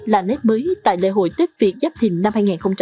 là nét mới tại lễ hội tết việt giáp thình năm hai nghìn hai mươi bốn